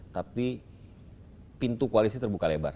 tapi pintu koalisi terbuka lebar